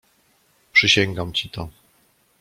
"Przysięgam ci to."